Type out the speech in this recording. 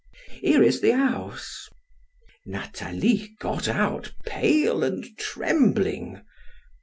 "Here is the house." Nathalie got out, pale and trembling.